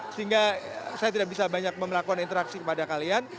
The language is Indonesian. sehingga saya tidak bisa banyak melakukan interaksi kepada kalian